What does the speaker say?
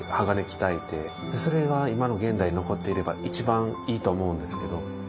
鋼鍛えてそれが今の現代に残っていれば一番いいと思うんですけど。